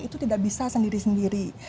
itu tidak bisa sendiri sendiri